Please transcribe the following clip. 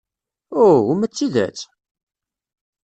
Uhuh! Uma d tidet?